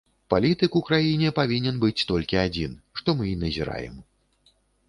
Палітык у краіне павінен быць толькі адзін, што мы і назіраем.